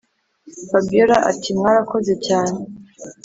fabiora ati”mwarakoze cyane